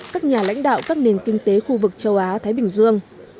các nhà lãnh đạo các nền kinh tế khu vực châu á thái bình dương